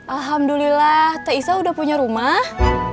alhamdulillah teh isha udah punya rumah